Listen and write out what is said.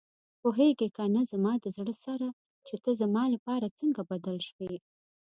پوهېږې کنه زما د زړه سره چې ته زما لپاره څنګه بدل شوې.